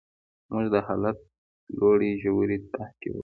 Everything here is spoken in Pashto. موږ د حالت لوړې ژورې تعقیبوو.